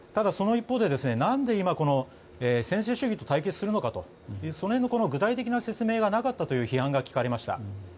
一方で何で今、専制主義と対決するのかとその辺の具体的な説明がなかったという批判が聞かれました。